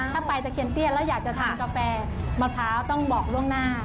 ถ้าไปตะเคียนเตี้ยนแล้วอยากจะทานกาแฟมะพร้าวต้องบอกล่วงหน้า